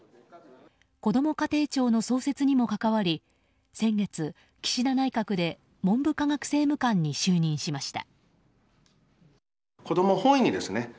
こども家庭庁の創設にも関わり先月、岸田内閣で文部科学政務官に就任しました。